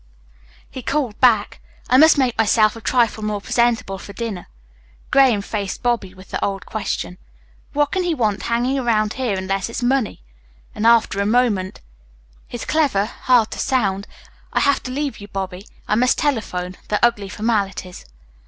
He called back: "I must make myself a trifle more presentable for dinner." Graham faced Bobby with the old question: "What can he want hanging around here unless it's money?" And after a moment: "He's clever hard to sound. I have to leave you, Bobby. I must telephone the ugly formalities."